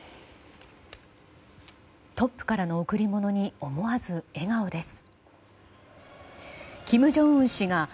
トップからの贈り物に思わず笑顔です。